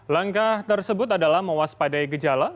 langkah tersebut adalah mewaspadai gejala